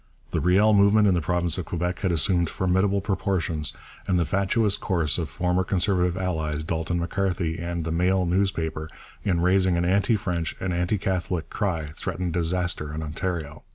The Riel movement in the province of Quebec had assumed formidable proportions, and the fatuous course of former Conservative allies, Dalton M'Carthy and the Mail newspaper, in raising an anti French and anti Catholic cry threatened disaster in Ontario.